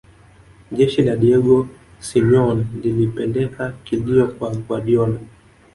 jeshi la diego semeon lilipeleka kilio kwa guardiola